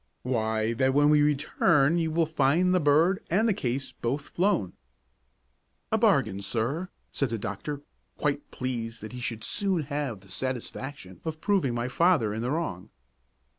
"Why, that when we return you will find the bird and the case both flown." "A bargain, sir!" said the doctor, quite pleased that he should soon have the satisfaction of proving my father in the wrong.